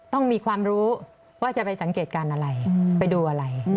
ต้องมีความรู้ว่าจะไปสังเกตการณ์อะไรไปดูอะไร